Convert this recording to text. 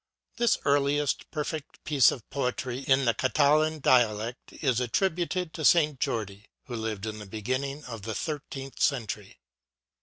THIS earliest perfect piece of poetry in the Catalan dialect is attrib uted to St. Jordi, who lived in the beginning of the thirteenth century.